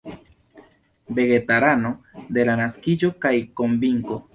Vegetarano de la naskiĝo kaj konvinko.